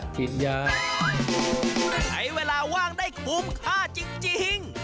กินยาใช้เวลาว่างได้คุ้มค่าจริง